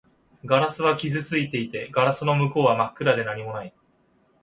ガラスは傷ついていて、ガラスの向こうは真っ暗で何もない